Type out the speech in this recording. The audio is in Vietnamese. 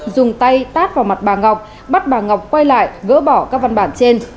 dùng tay tát vào mặt bà ngọc bắt bà ngọc quay lại gỡ bỏ các văn bản trên